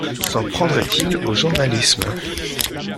S’en prendrait-il au journalisme ?